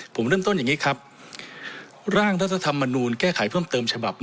ผมเริ่มต้นอย่างนี้ครับร่างรัฐธรรมนูลแก้ไขเพิ่มเติมฉบับ